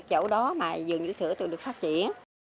chỗ đó mà vườn vũ sữa được phát triển